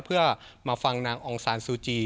เพื่อมาฟังนางองซานซูจี